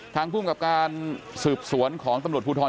ภูมิกับการสืบสวนของตำรวจภูทร